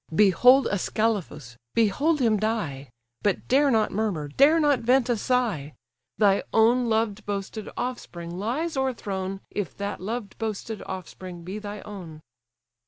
Behold Ascalaphus! behold him die, But dare not murmur, dare not vent a sigh; Thy own loved boasted offspring lies o'erthrown, If that loved boasted offspring be thy own."